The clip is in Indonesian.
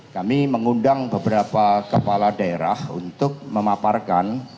kami mengundang beberapa kepala daerah untuk memaparkan